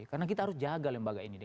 karena kita harus jaga lembaga ini